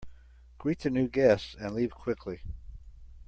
Greet the new guests and leave quickly.